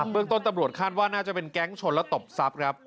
เรื่องต้นตำรวจคาดว่าน่าจะเป็นแก๊งชนและตบทรัพย์ครับ